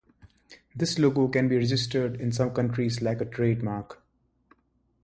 This logo can be registered in some countries like a trademark.